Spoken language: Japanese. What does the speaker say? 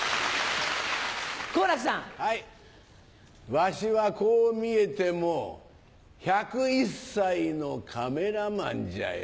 わしはこう見えても１０１歳のカメラマンじゃよ。